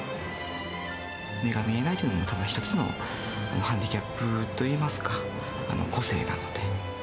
目が見えないというのも、一つのハンディキャップといいますか、個性なので。